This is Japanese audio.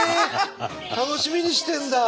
楽しみにしてるんだ！